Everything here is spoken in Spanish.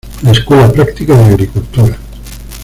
La Escuela Práctica de Agricultura